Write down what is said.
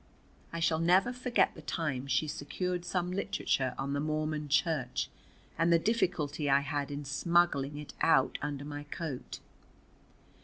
I shall never forget the time she secured some literature on the Mormon Church, and the difficulty I had in smuggling it out under my coat.